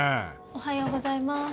おはようございます。